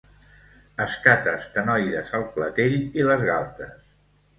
Escates ctenoides al clatell i les galtes.